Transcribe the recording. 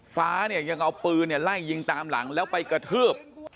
ฟ้าเนี่ยยังเอาปืนไล่ยิงตามหลังแล้วไปกระทืบ